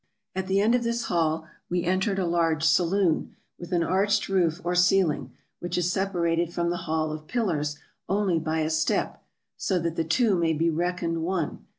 At the end of this hall we entered a large saloon, with an arched roof or ceiling, which is separated from the Hall of Pillars only by a step; so that the two may be reckoned one.